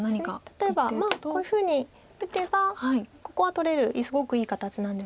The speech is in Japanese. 例えばこういうふうに打てばここは取れるすごくいい形なんですけど。